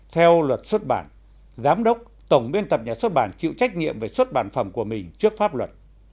theo luật xuất bản giám đốc tổng biên tập nhà xuất bản chịu trách nhiệm về xuất bản phẩm của mình trước pháp luật